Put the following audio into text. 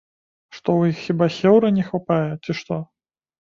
Што ў іх хіба хеўры не хапае, ці што?